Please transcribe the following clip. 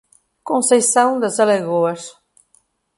Conceição das Alagoas